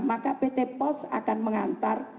maka pt pos akan mengantar